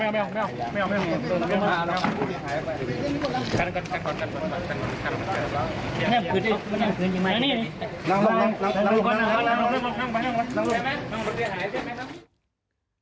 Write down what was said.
คนเดียวหายได้ไหมครับ